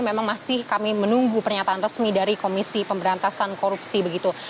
memang masih kami menunggu pernyataan resmi dari komisi pemberantasan korupsi begitu